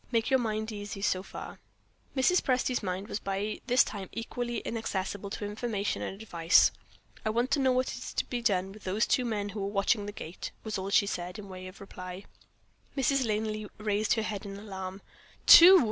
Make your mind easy so far." Mrs. Presty's mind was by this time equally inaccessible to information and advice. "I want to know what is to be done with those two men who are watching the gate," was all she said in the way of reply. Mrs. Linley raised her head in alarm. "Two!"